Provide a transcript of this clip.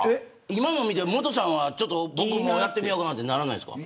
今の見てモトさんはやってみようかなってならないですか。